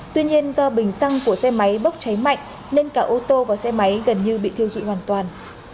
tuy nhiên do bình xăng của xe máy bốc cháy mạnh nên cả ô tô và xe máy gần như bị thiêu dụi hoàn toàn